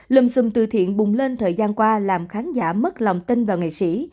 lùm xùm từ thiện bùng lên thời gian qua làm khán giả mất lòng tin vào nghệ sĩ